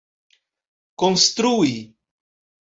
konstrui